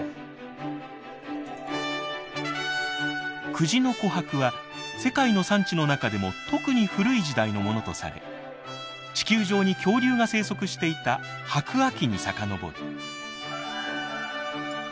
久慈の琥珀は世界の産地の中でも特に古い時代のものとされ地球上に恐竜が生息していた白亜紀に遡る。